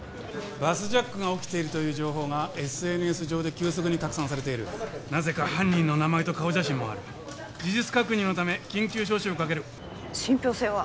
バスジャックが起きているという情報がＳＮＳ上で急速に拡散されているなぜか犯人の名前と顔写真もある事実確認のため緊急招集をかける信ぴょう性は？